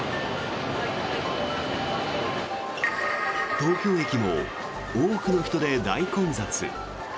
東京駅も多くの人で大混雑。